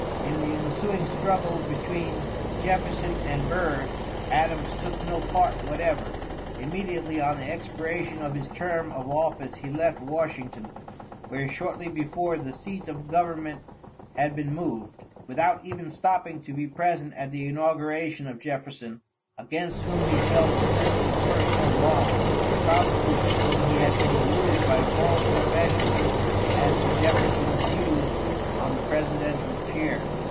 In the ensuing struggle between Jefferson and Burr, Adams took no part whatever. Immediately on the expiration of his term of office he left Washington, where shortly before the seat of government had been moved, without even stopping to be present at the inauguration of Jefferson, against whom he felt a sense of personal wrong, probably thinking he had been deluded by false professions as to Jefferson's views on the presidential chair.